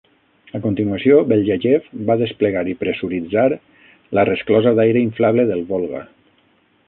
A continuació, Belyayev va desplegar i pressuritzar la resclosa d'aire inflable del Volga.